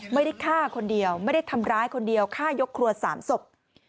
ไม่ได้ฆ่าคนเดียวไม่ได้ทำร้ายคนเดียวฆ่ายกครัว๓ศพ